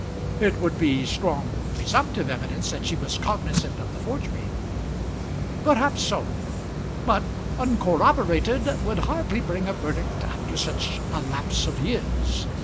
"It would be strong presumptive evidence that she was cognizant of the forgery." "Perhaps so, but uncorroborated would hardly bring a verdict after such a lapse of years.